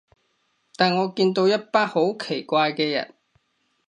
但我見到一班好奇怪嘅人